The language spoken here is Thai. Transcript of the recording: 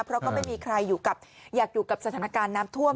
เพราะก็ไม่มีใครอยากอยู่กับสถานการณ์น้ำท่วม